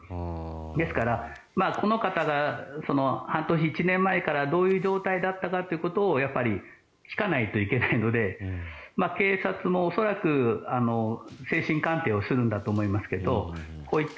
ですから、この方が半年、１年前からどういう状態だったかってことをやっぱり聞かないといけないので警察も恐らく精神鑑定をするんだと思いますがこういった